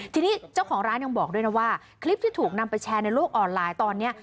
ทีนี้เจ้าของร้านยังบอกด้วยนะว่าคลิปที่ถูกนำไปแชร์ในโลกออนไลน์ตอนนี้